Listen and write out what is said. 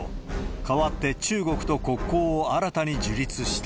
代わって中国と国交を新たに樹立した。